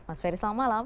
mas ferry selamat malam